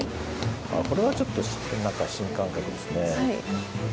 これはちょっと、なんか新感覚ですね。